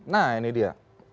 nah ini dia